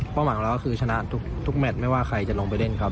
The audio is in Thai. หวังเราก็คือชนะทุกแมทไม่ว่าใครจะลงไปเล่นครับ